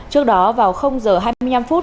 trước đó vào h hai mươi năm phút